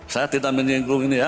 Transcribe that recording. saya tidak menyinggung ini ya